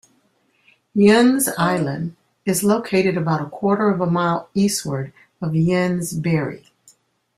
Ynys Eilun is located about a quarter of a mile eastward of Ynys Bery.